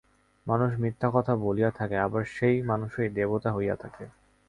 মানুষ মিথ্যা কথা বলিয়া থাকে, আবার সেই মানুষই দেবতা হইয়া থাকে।